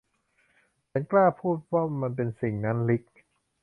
ฉันกล้าพูดว่ามันเป็นสิ่งนั้น ริค